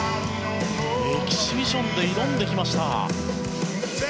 エキシビションで挑んできました。